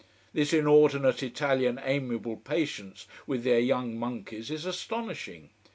This inordinate Italian amiable patience with their young monkeys is astonishing.